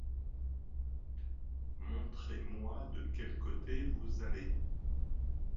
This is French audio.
Montrez-moi de quel côté vous allez.